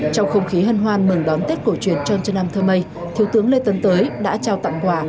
trong không khí hân hoan mừng đón tết cổ truyền trong chân năm thơ mây thiếu tướng lê tấn tới đã trao tặng quà